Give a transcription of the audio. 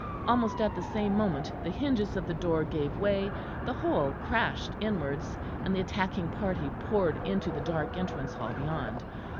Almost at the same moment the hinges of the door gave way, the whole crashed inwards, and the attacking party poured into the dark entrance hall beyond.